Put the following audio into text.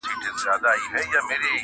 اعلیحضرت محمد ظاهر شاه چي به